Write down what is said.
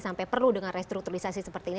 sampai perlu dengan restrukturisasi seperti ini